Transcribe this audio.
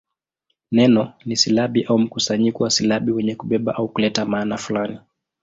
Neno ni silabi au mkusanyo wa silabi wenye kubeba au kuleta maana fulani.